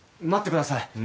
待ってください。